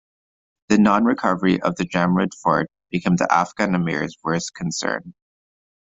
The non- recovery of the Jamrud Fort became the Afghan Amir's worst concern.